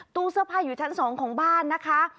ตู้เสื้อผ้าอยู่ชั้น๒ของบ้านนะคะ